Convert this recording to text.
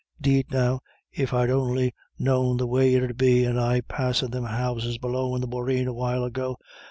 'Deed now, if I'd on'y known the way it 'ud be, and I passin' thim houses below in the boreen a while ago!